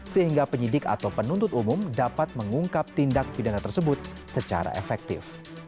sehingga penyidik atau penuntut umum dapat mengungkap tindak pidana tersebut secara efektif